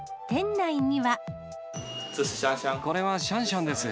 これはシャンシャンです。